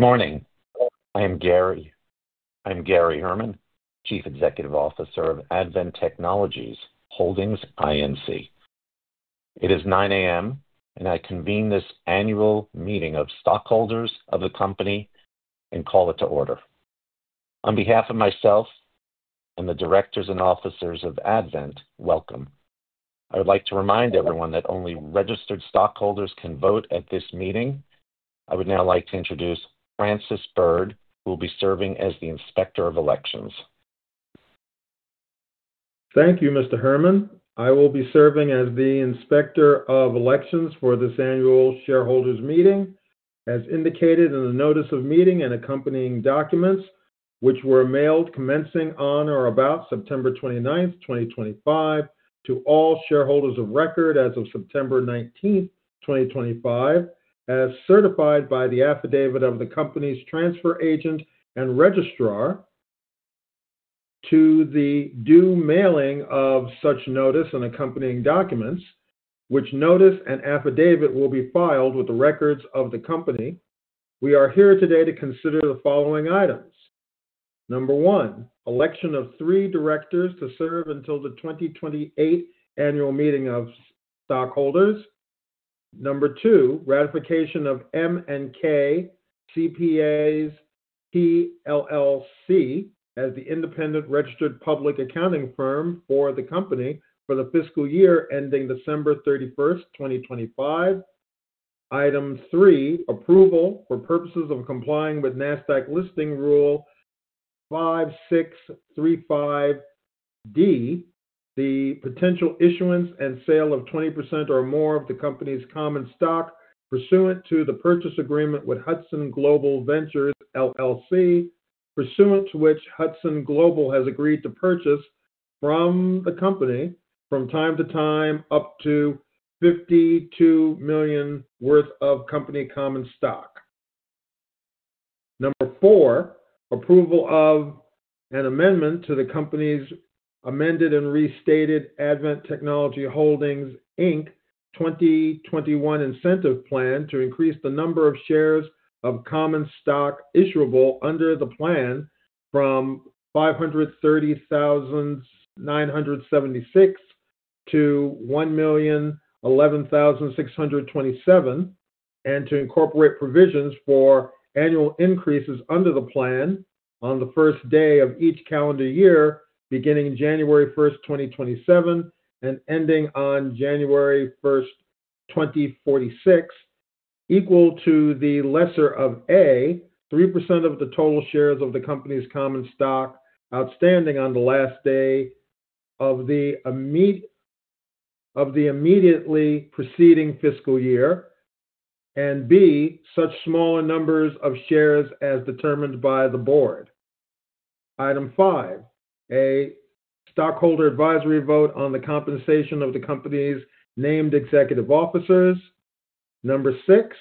Good morning. I'm Gary Herman, Chief Executive Officer of Advent Technologies Holdings Inc. It is 9:00 A.M., and I convene this annual meeting of stockholders of the company and call it to order. On behalf of myself and the directors and officers of Advent, welcome. I would like to remind everyone that only registered stockholders can vote at this meeting. I would now like to introduce Francis Bird, who will be serving as the Inspector of Elections. Thank you, Mr. Herman. I will be serving as the Inspector of Elections for this annual shareholders' meeting, as indicated in the notice of meeting and accompanying documents, which were mailed commencing on or about September 29th, 2025, to all shareholders of record as of September 19, 2025, as certified by the affidavit of the company's transfer agent and registrar. To the due mailing of such notice and accompanying documents, which notice and affidavit will be filed with the records of the company, we are here today to consider the following items. Number one, election of three directors to serve until the 2028 annual meeting of stockholders. Number two, ratification of M&K CPAS, PLLC as the independent registered public accounting firm for the company for the fiscal year ending December 31st, 2025. Item three, approval for purposes of complying with Nasdaq listing rule 5635D, the potential issuance and sale of 20% or more of the company's common stock pursuant to the purchase agreement with Hudson Global Ventures LLC, pursuant to which Hudson Global has agreed to purchase from the company from time to time up to $52 million worth of company common stock. Number four, approval of an amendment to the company's amended and restated Advent Technologies Holdings Inc. 2021 Incentive Plan to increase the number of shares of common stock issuable under the plan from 530,976 to 1,011,627, and to incorporate provisions for annual increases under the plan on the first day of each calendar year, beginning January 1st, 2027 and ending on January 1st, 2046, equal to the lesser of A, 3% of the total shares of the company's common stock outstanding on the last day of the immediately preceding fiscal year, and B, such smaller numbers of shares as determined by the board. Item five, a stockholder advisory vote on the compensation of the company's named executive officers. Number six,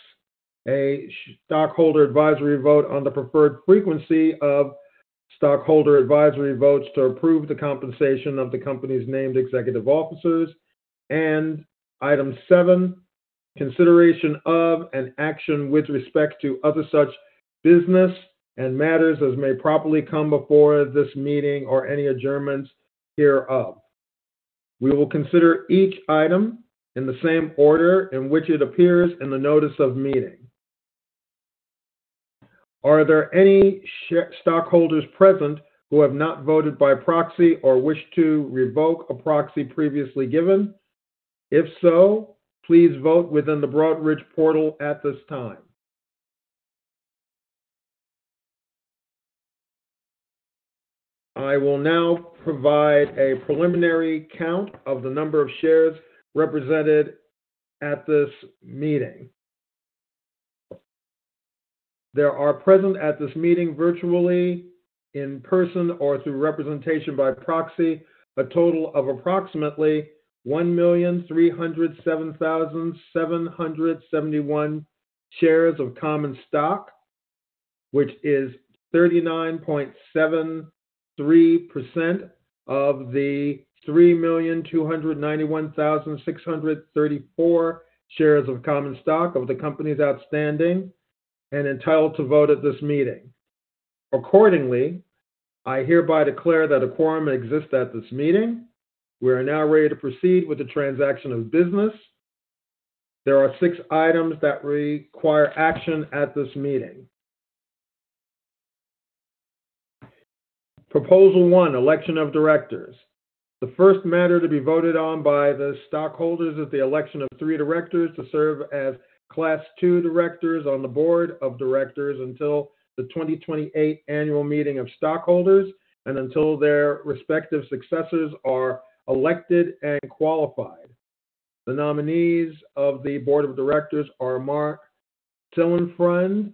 a stockholder advisory vote on the preferred frequency of stockholder advisory votes to approve the compensation of the company's named executive officers. Item seven, consideration of an action with respect to other such business and matters as may properly come before this meeting or any adjournments hereof. We will consider each item in the same order in which it appears in the notice of meeting. Are there any stockholders present who have not voted by proxy or wish to revoke a proxy previously given? If so, please vote within the Broadridge portal at this time. I will now provide a preliminary count of the number of shares represented at this meeting. There are present at this meeting virtually, in person, or through representation by proxy, a total of approximately 1,307,771 shares of common stock, which is 39.73% of the 3,291,634 shares of common stock of the company's outstanding and entitled to vote at this meeting. Accordingly, I hereby declare that a quorum exists at this meeting. We are now ready to proceed with the transaction of business. There are six items that require action at this meeting. Proposal one, election of directors. The first matter to be voted on by the stockholders is the election of three directors to serve as Class II directors on the board of directors until the 2028 annual meeting of stockholders and until their respective successors are elected and qualified. The nominees of the board of directors are Mark Tillenfriend,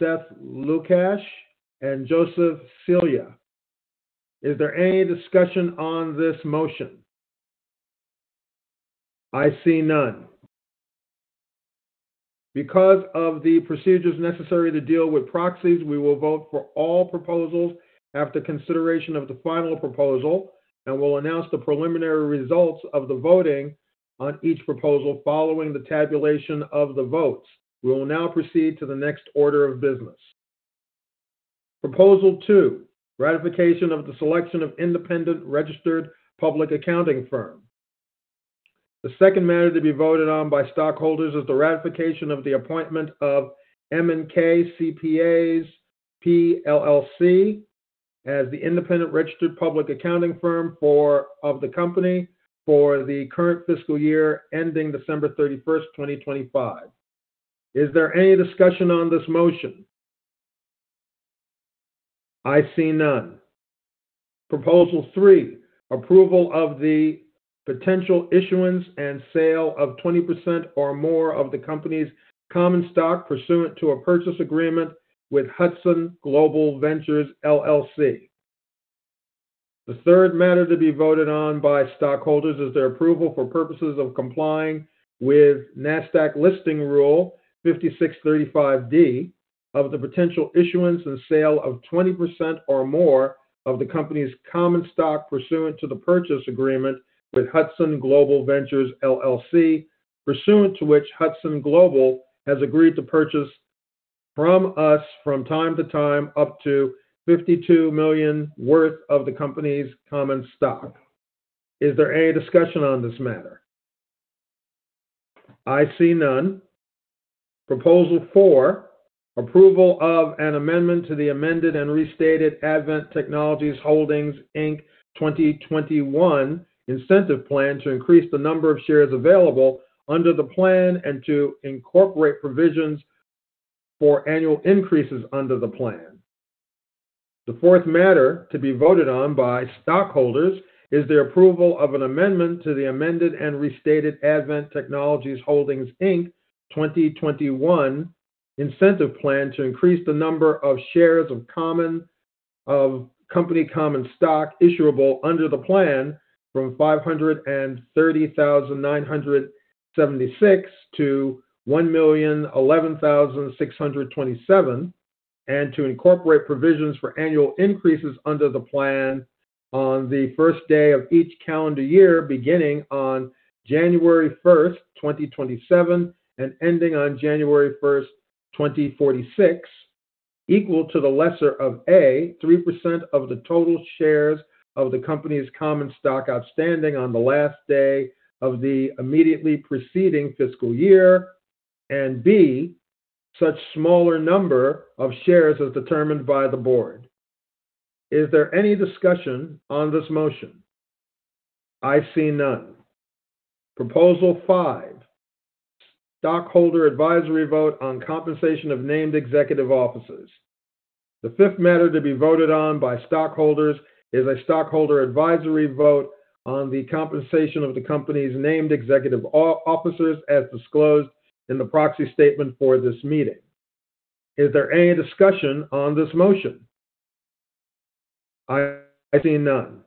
Seth Lukash, and Joseph Silia. Is there any discussion on this motion? I see none. Because of the procedures necessary to deal with proxies, we will vote for all proposals after consideration of the final proposal and will announce the preliminary results of the voting on each proposal following the tabulation of the votes. We will now proceed to the next order of business. Proposal two, ratification of the selection of independent registered public accounting firm. The second matter to be voted on by stockholders is the ratification of the appointment of M&K CPAS, PLLC as the independent registered public accounting firm for the company for the current fiscal year ending December 31st, 2025. Is there any discussion on this motion? I see none. Proposal three, approval of the potential issuance and sale of 20% or more of the company's common stock pursuant to a purchase agreement with Hudson Global Ventures LLC. The third matter to be voted on by stockholders is their approval for purposes of complying with Nasdaq Listing rule 5635D of the potential issuance and sale of 20% or more of the company's common stock pursuant to the purchase agreement with Hudson Global Ventures LLC, pursuant to which Hudson Global has agreed to purchase from us from time to time up to $52 million worth of the company's common stock. Is there any discussion on this matter? I see none. Proposal four, approval of an amendment to the amended and restated Advent Technologies Holdings Inc. 2021 Incentive Plan to increase the number of shares available under the plan and to incorporate provisions for annual increases under the plan. The fourth matter to be voted on by stockholders is their approval of an amendment to the amended and restated Advent Technologies Holdings Inc. 2021 Incentive Plan to increase the number of shares of company common stock issuable under the plan from 530,976 to 1,011,627 and to incorporate provisions for annual increases under the plan on the first day of each calendar year beginning on January 1st, 2027 and ending on January 1st, 2046, equal to the lesser of A, 3% of the total shares of the company's common stock outstanding on the last day of the immediately preceding fiscal year, and B, such smaller number of shares as determined by the Board. Is there any discussion on this motion? I see none. Proposal five, stockholder advisory vote on compensation of named executive officers. The fifth matter to be voted on by stockholders is a stockholder advisory vote on the compensation of the company's named executive officers as disclosed in the proxy statement for this meeting. Is there any discussion on this motion? I see none.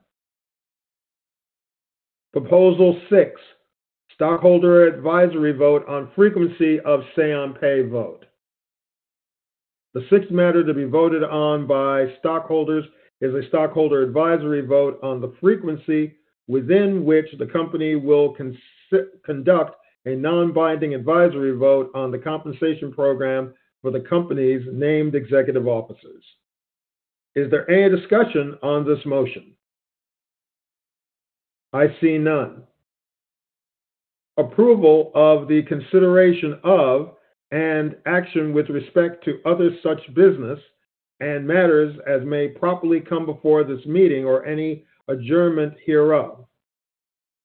Proposal six, stockholder advisory vote on frequency of say-on-pay vote. The sixth matter to be voted on by stockholders is a stockholder advisory vote on the frequency within which the company will conduct a non-binding advisory vote on the compensation program for the company's named executive officers. Is there any discussion on this motion? I see none. Approval of the consideration of an action with respect to other such business and matters as may properly come before this meeting or any adjournment hereof.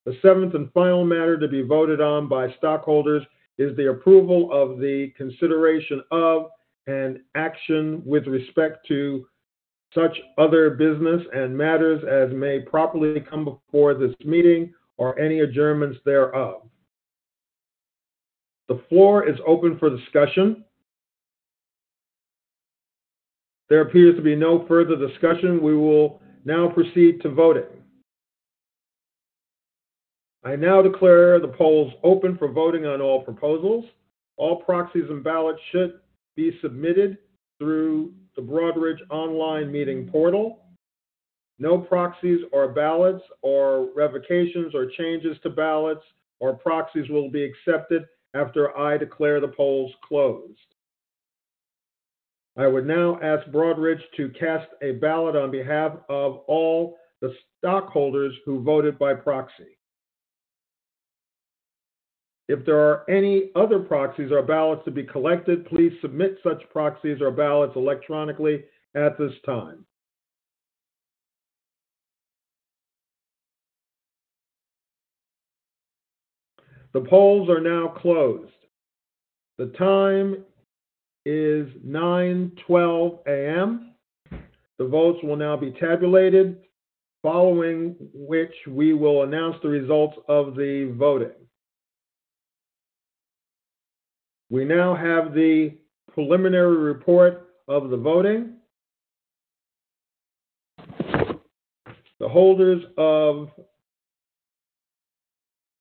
The seventh and final matter to be voted on by stockholders is the approval of the consideration of an action with respect to such other business and matters as may properly come before this meeting or any adjournments thereof. The floor is open for discussion. There appears to be no further discussion. We will now proceed to voting. I now declare the polls open for voting on all proposals. All proxies and ballots should be submitted through the Broadridge online meeting portal. No proxies or ballots or revocations or changes to ballots or proxies will be accepted after I declare the polls closed. I would now ask Broadridge to cast a ballot on behalf of all the stockholders who voted by proxy. If there are any other proxies or ballots to be collected, please submit such proxies or ballots electronically at this time. The polls are now closed. The time is 9:12 A.M. The votes will now be tabulated, following which we will announce the results of the voting. We now have the preliminary report of the voting. The holders of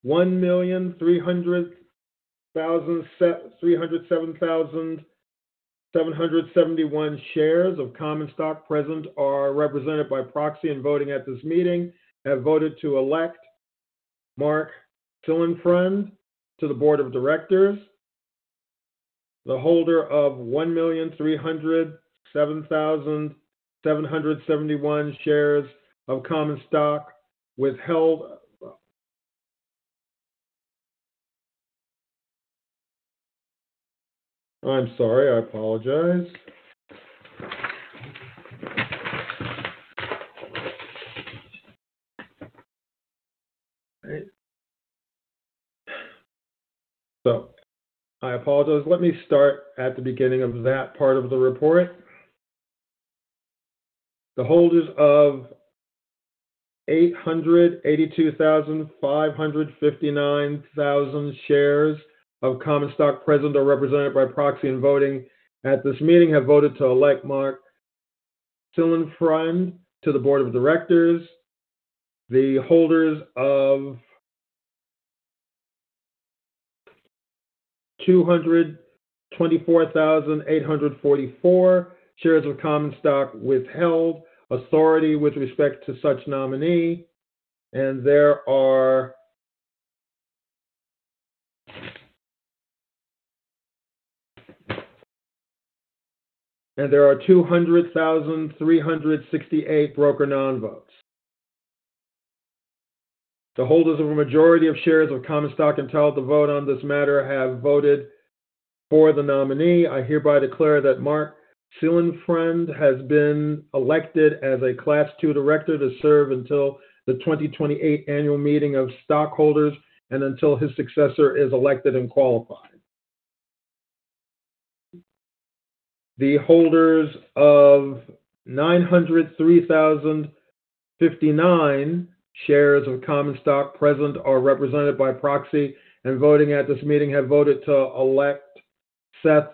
1,307,771 shares of common stock present are represented by proxy and voting at this meeting have voted to elect Mark Tillenfriend to the board of directors. The holder of 1,307,771 shares of common stock withheld. I'm sorry. I apologize. Let me start at the beginning of that part of the report. The holders of 882,559 shares of common stock present are represented by proxy and voting at this meeting have voted to elect Mark Tillenfriend to the board of directors. The holders of 224,844 shares of common stock withheld authority with respect to such nominee, and there are 200,368 broker non-votes. The holders of a majority of shares of common stock entitled to vote on this matter have voted for the nominee. I hereby declare that Mark Tillenfriend has been elected as a Class II director to serve until the 2028 annual meeting of stockholders and until his successor is elected and qualified. The holders of 903,059 shares of common stock present are represented by proxy and voting at this meeting have voted to elect Seth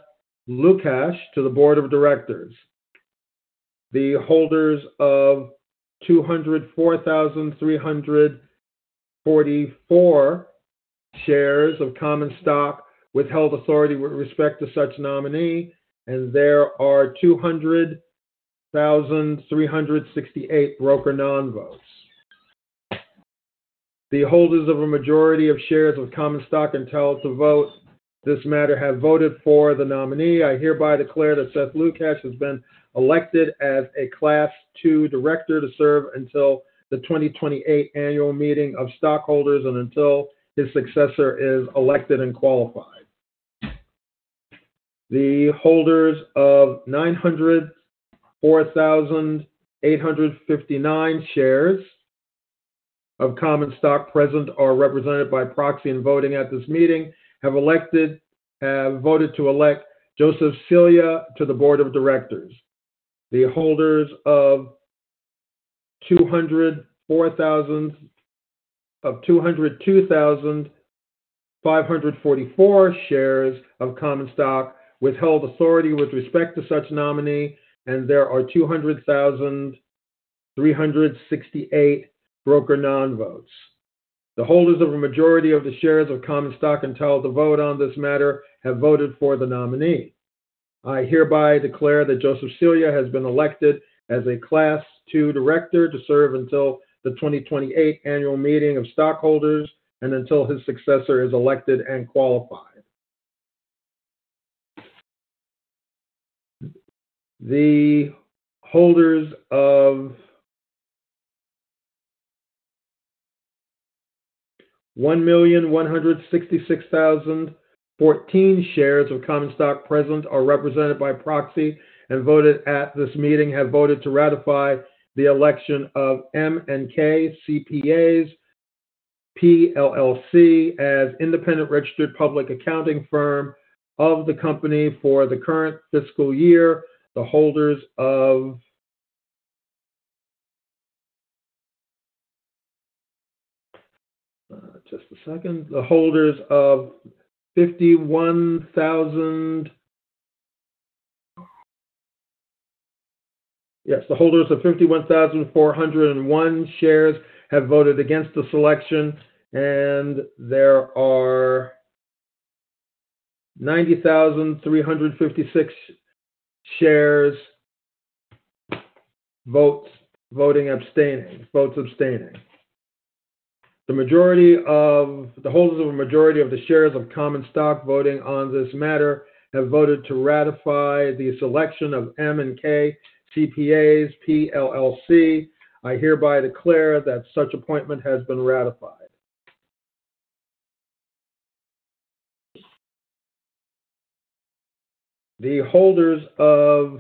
Lukash to the board of directors. The holders of 204,344 shares of common stock withheld authority with respect to such nominee, and there are 200,368 broker non-votes. The holders of a majority of shares of common stock entitled to vote this matter have voted for the nominee. I hereby declare that Seth Lukash has been elected as a Class II director to serve until the 2028 annual meeting of stockholders and until his successor is elected and qualified. The holders of 904,859 shares of common stock present are represented by proxy and voting at this meeting have elected and voted to elect Joseph Silia to the board of directors. The holders of 202,544 shares of common stock withheld authority with respect to such nominee, and there are 200,368 broker non-votes. The holders of a majority of the shares of common stock entitled to vote on this matter have voted for the nominee. I hereby declare that Joseph Cilia has been elected as a Class II director to serve until the 2028 annual meeting of stockholders and until his successor is elected and qualified. The holders of 1,166,014 shares of common stock present or represented by proxy and voting at this meeting have voted to ratify the election of M&K CPAS, PLLC as independent registered public accounting firm of the company for the current fiscal year. The holders of 51,401 shares have voted against the selection, and there are 90,356 votes abstaining. The majority of the holders of a majority of the shares of common stock voting on this matter have voted to ratify the selection of M&K CPAS, PLLC. I hereby declare that such appointment has been ratified. The holders of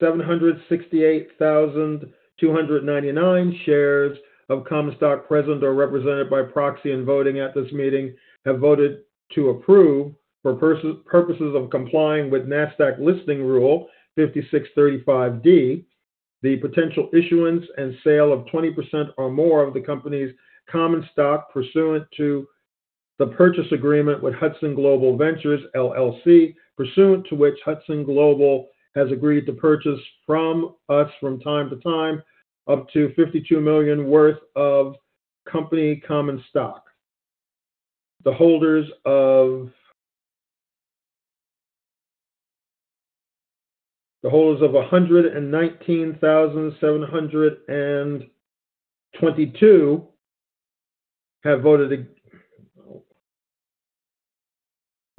768,299 shares of common stock present or represented by proxy and voting at this meeting have voted to approve, for purposes of complying with Nasdaq Listing rule 5635D, the potential issuance and sale of 20% or more of the company's common stock pursuant to the purchase agreement with Hudson Global Ventures LLC, pursuant to which Hudson Global has agreed to purchase from us from time to time up to $52 million worth of company common stock. The holders of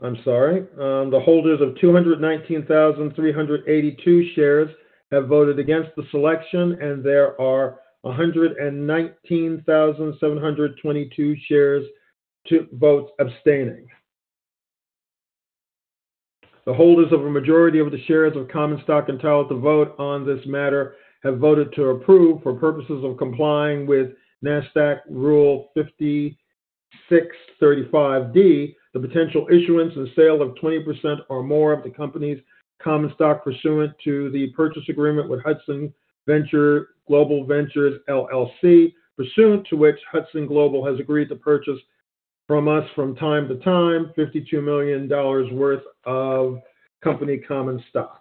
219,382 shares have voted against the selection, and there are 119,722 votes abstaining. The holders of a majority of the shares of common stock entitled to vote on this matter have voted to approve, for purposes of complying with Nasdaq rule 5635D, the potential issuance and sale of 20% or more of the company's common stock pursuant to the purchase agreement with Hudson Global Ventures LLC, pursuant to which Hudson Global has agreed to purchase from us from time to time $52 million worth of company common stock.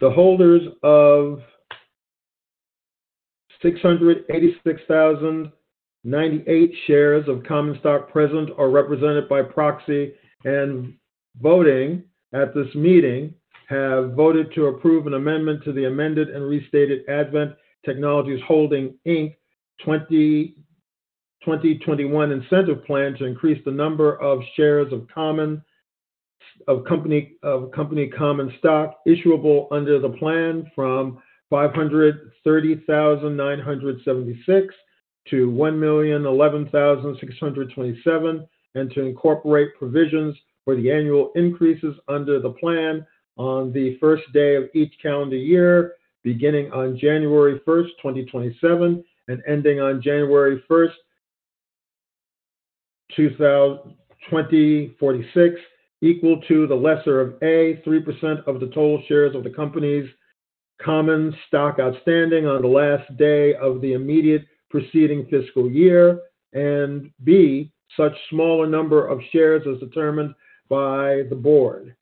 The holders of 686,098 shares of common stock present or represented by proxy and voting at this meeting have voted to approve an amendment to the amended and restated Advent Technologies Holdings Inc. 2021 Incentive Plan to increase the number of shares of company common stock issuable under the plan from 530,976 to 1,011,627 and to incorporate provisions for the annual increases under the plan on the first day of each calendar year beginning on January 1st, 2027 and ending on January 1st, 2046, equal to the lesser of A, 3% of the total shares of the company's common stock outstanding on the last day of the immediate preceding fiscal year, and B, such smaller number of shares as determined by the board.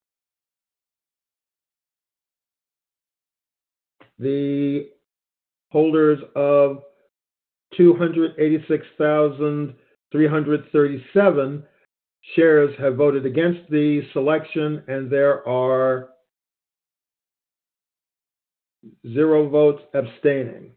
The holders of 286,337 shares have voted against the selection, and there are zero votes abstaining.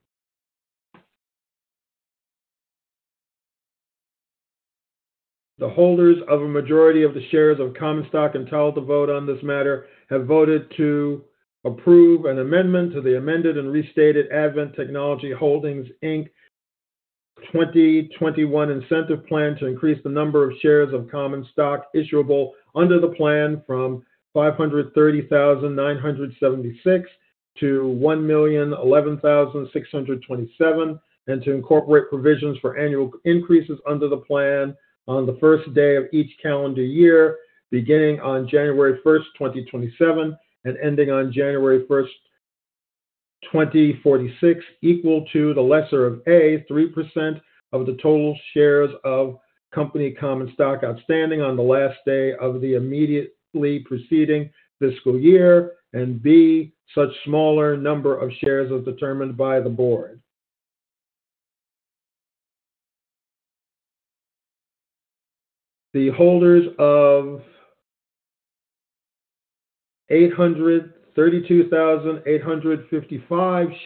The holders of a majority of the shares of common stock entitled to vote on this matter have voted to approve an amendment to the amended and restated Advent Technologies Holdings Inc. 2021 Incentive Plan to increase the number of shares of common stock issuable under the plan from 530,976 to 1,011,627 and to incorporate provisions for annual increases under the plan on the first day of each calendar year beginning on January 1st, 2027 and ending on January 1st, 2046, equal to the lesser of A, 3% of the total shares of company common stock outstanding on the last day of the immediately preceding fiscal year, and B, such smaller number of shares as determined by the board. The holders of 832,855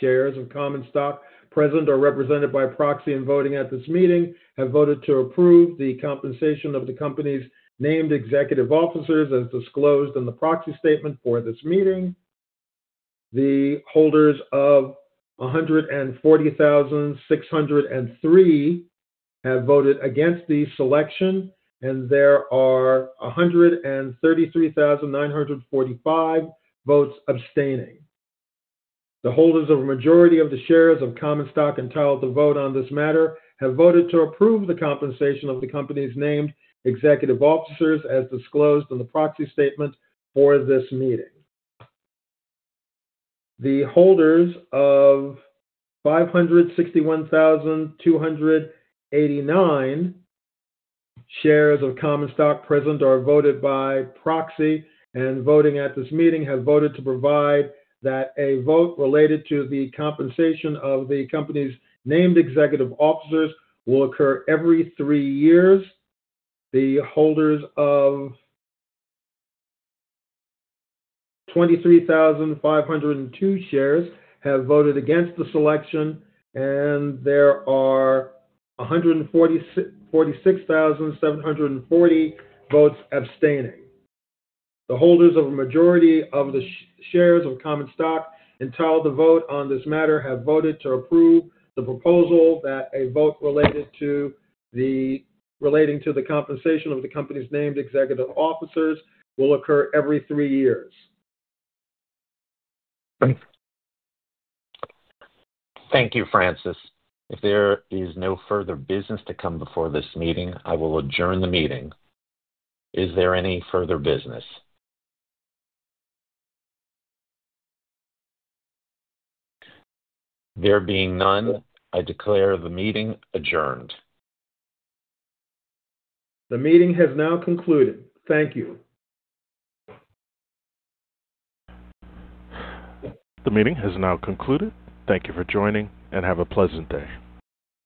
shares of common stock present or represented by proxy and voting at this meeting have voted to approve the compensation of the company's named executive officers as disclosed in the proxy statement for this meeting. The holders of 140,603 have voted against the selection, and there are 133,945 votes abstaining. The holders of a majority of the shares of common stock entitled to vote on this matter have voted to approve the compensation of the company's named executive officers as disclosed in the proxy statement for this meeting. The holders of 561,289 shares of common stock present or voted by proxy and voting at this meeting have voted to provide that a vote related to the compensation of the company's named executive officers will occur every three years. The holders of 23,502 shares have voted against the selection, and there are 146,740 votes abstaining. The holders of a majority of the shares of common stock entitled to vote on this matter have voted to approve the proposal that a vote related to the compensation of the company's named executive officers will occur every three years. Thank you, Francis. If there is no further business to come before this meeting, I will adjourn the meeting. Is there any further business? There being none, I declare the meeting adjourned. The meeting has now concluded. Thank you. The meeting has now concluded. Thank you for joining and have a pleasant day.